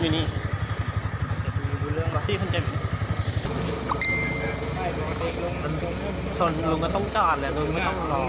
ส่วนลุงก็ต้องจอดแหละลุงไม่ต้องหล่อ